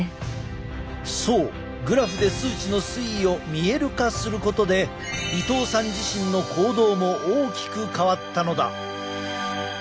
そうグラフで数値の推移を見える化することで伊東さん自身の行動も大きく変わったのだ。